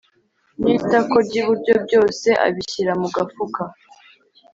n itako ry iburyo Byose abishyira mu gafuka